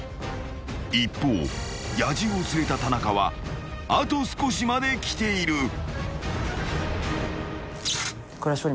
［一方野獣を連れた田中はあと少しまで来ている］